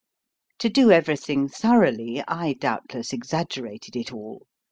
To do everything thoroughly I doubtless exag gerated it all.